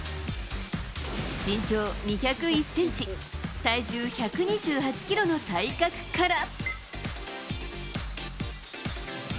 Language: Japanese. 身長２０１センチ、体重１２８キロの体格から。